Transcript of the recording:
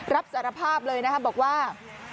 รับสารภาพเลยนะครับบอกว่า